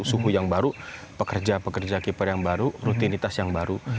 suhu yang baru pekerja pekerja keeper yang baru rutinitas yang baru